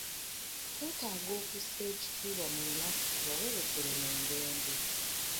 Twetaaga okussa ekitiibwa mu lunaku tubawerekere mu mirembe.